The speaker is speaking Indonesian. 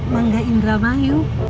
mangga indra mayu